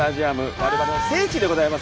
我々の聖地でございます。